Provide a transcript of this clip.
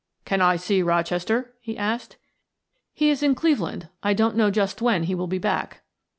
"Can I see Rochester?" he asked. "He is in Cleveland; I don't know just when he will be back."